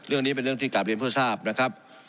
เรื่องนี้เป็นเรื่องที่กลับเรียนเพื่อทราบนะครับ